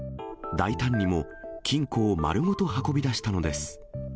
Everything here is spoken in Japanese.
大胆にも金庫を丸ごと運び出したのです。